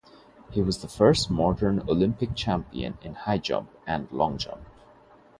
He was the first modern Olympic champion in high jump and long jump.